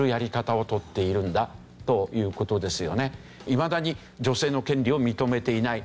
いまだに女性の権利を認めていない。